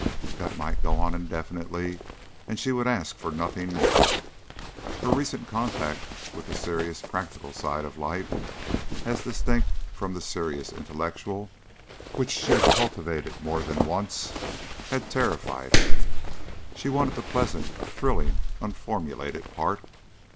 That might go on indefinitely and she would ask for nothing more. Her recent contact with the serious practical side of life as distinct from the serious intellectual which she had cultivated more than once had terrified her; she wanted the pleasant, thrilling, unformulated part.